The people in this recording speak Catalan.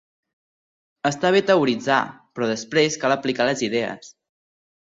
Està bé teoritzar, però després cal aplicar les idees.